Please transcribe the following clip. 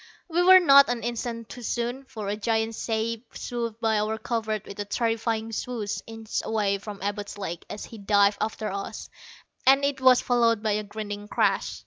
We were not an instant too soon. For a giant shape swooped by our covert with a terrifying swoosh, inches away from Abud's leg as he dived after us, and it was followed by a grinding crash.